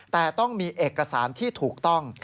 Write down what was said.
แต่ต้องมีเอกสารที่ถูกต้อง